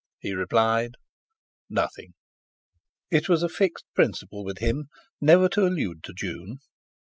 He replied: "Nothing." It was a fixed principle with him never to allude to June.